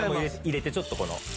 入れてちょっとこの。